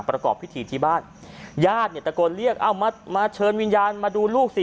ประกอบพิธีที่บ้านญาติเนี่ยตะโกนเรียกเอามามาเชิญวิญญาณมาดูลูกสิ